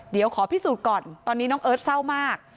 เดี๋ยวขอพิสูจน์ก่อนตอนนี้น้องเอิร์ทเศร้ามาก